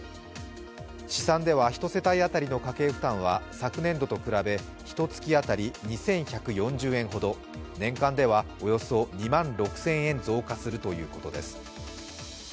試算では１世帯当たりの家計負担は昨年度と比べひと月当たり２１４０円ほど、年間では、およそ２万６０００円増加するということです。